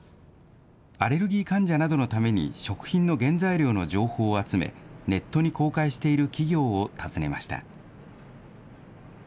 アレルギー患者などのために食品の原材料の情報を集め、ネットに公開している企業を訪ねました。